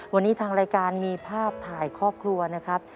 วันนี้ทางรายการมีภาพถ่ายครอบครัวนะครับ